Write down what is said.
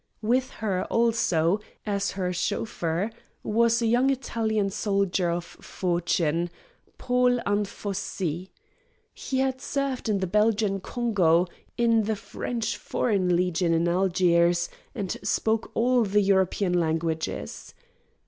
With her, also, as her chauffeur, was a young Italian soldier of fortune, Paul Anfossi. He had served in the Belgian Congo, in the French Foreign Legion in Algiers, and spoke all the European languages.